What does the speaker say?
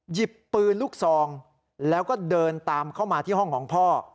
หยิบปืนลูกซองแล้วก็เดินตามเข้ามาที่ห้องของพ่อ